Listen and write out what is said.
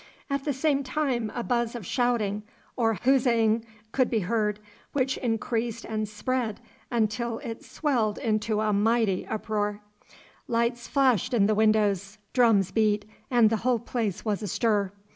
At the same time a buzz of shouting or huzzaing could be heard, which increased and spread until it swelled into a mighty uproar. Lights flashed in the windows, drums beat, and the whole place was astir.